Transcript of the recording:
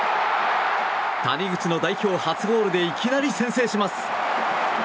谷口の代表初ゴールでいきなり先制します。